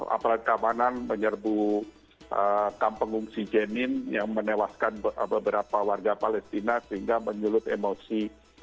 apalagi kamanan menyerbu kampengungsi jenin yang menewaskan beberapa warga palestina sehingga menyulut emosi